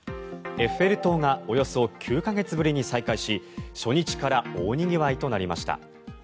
エッフェル塔がおよそ９か月ぶりに再開し初日から大にぎわいとなりました。